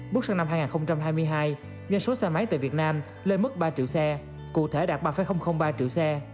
bước sang năm hai nghìn hai mươi hai doanh số xe máy tại việt nam lên mức ba triệu xe cụ thể đạt ba ba triệu xe